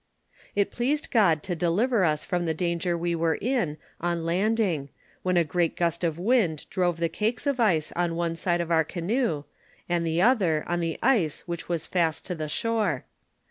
It pleased God to deliver ns from the danger we were in on landing, when a gust of wind drove the cakes of ice on one side of our canoe, and the other on the ice which was fast to the shore.